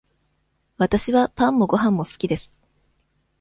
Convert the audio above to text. わたしはパンもごはんも好きです。